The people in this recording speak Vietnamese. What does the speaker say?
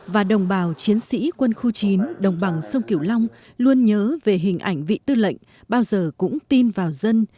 và đồng bào chiến sĩ quân khu chín đồng bằng sông kiểu long luôn nhớ về hình ảnh vị tư lệnh bao giờ cũng tin vào dân